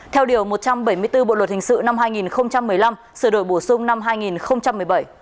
theo điều một trăm bảy mươi bốn bộ luật hình sự năm hai nghìn một mươi năm sửa đổi bổ sung năm hai nghìn một mươi bảy